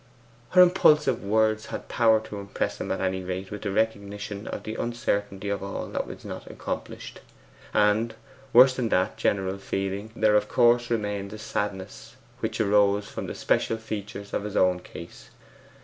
Her impulsive words had power to impress him at any rate with the recognition of the uncertainty of all that is not accomplished. And, worse than that general feeling, there of course remained the sadness which arose from the special features of his own case.